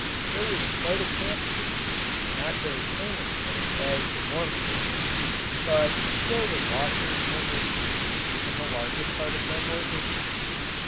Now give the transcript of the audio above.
There was quite a camp here not to the same extent as the Mormon diggings, but still the washers were numerous, and the larger part of them were Indians.